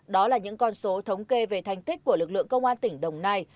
đó là những con số thống kê về thành tích của lực lượng công an tỉnh đồng nai